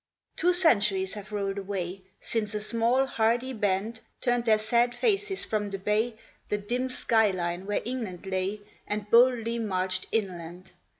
Two centuries have rolled away Since a small, hardy band Turned their sad faces from the bay, The dim sky line where England lay, And boldly marched inland.